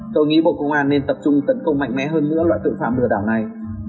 tôi nghĩ bộ công an nên tập trung tấn công mạnh mẽ hơn nữa loại tội phạm lừa đảo này